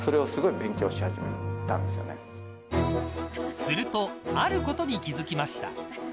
するとあることに気付きました。